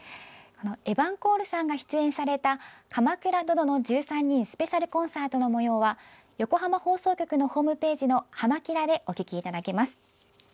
エバン・コールさんが出演された「鎌倉殿の１３人」スペシャルコンサートのもようは横浜放送局のホームページの「はま☆キラ！」でお聴きいただけます。